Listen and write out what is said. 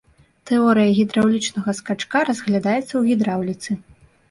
Тэорыя гідраўлічнага скачка разглядаецца ў гідраўліцы.